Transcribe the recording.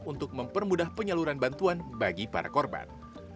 untuk mempermudah penyaluran bantuan bagi para korban